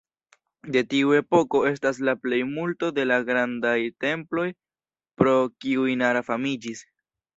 De tiu epoko estas la plejmulto de la grandaj temploj pro kiuj Nara famiĝis.